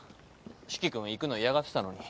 四鬼君行くの嫌がってたのに。